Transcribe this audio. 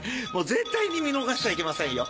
絶対に見逃しちゃいけませんよ。